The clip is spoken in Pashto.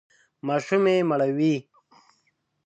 ماشوم یې مړوئ!